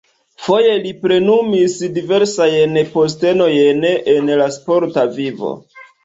Foje li plenumis diversajn postenojn en la sporta vivo.